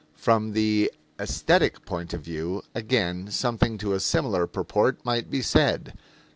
From the aesthetic point of view, again, something to a similar purport might be said.